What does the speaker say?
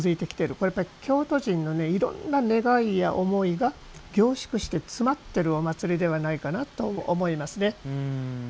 これはやっぱり京都人のいろんな願いや思いが凝縮して詰まっているお祭りではないかなと思いますね。